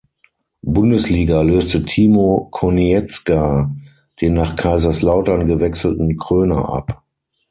Bundesliga löste Timo Konietzka den nach Kaiserslautern gewechselten Kröner ab.